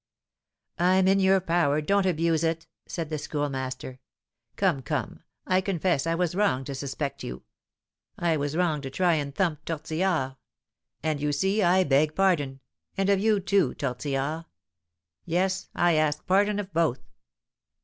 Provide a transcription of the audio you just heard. "I'm in your power, don't abuse it," said the Schoolmaster. "Come, come, I confess I was wrong to suspect you. I was wrong to try and thump Tortillard; and, you see, I beg pardon; and of you too, Tortillard. Yes, I ask pardon of both."